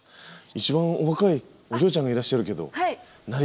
一番お若いお嬢ちゃんがいらっしゃるけど。